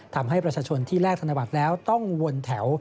ทำให้ประชาชนที่แลกธนบัตรแล้วต้องวนแถว